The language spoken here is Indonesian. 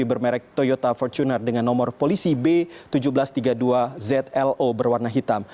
bermerek toyota fortuner dengan nomor polisi b seribu tujuh ratus tiga puluh dua zlo berwarna hitam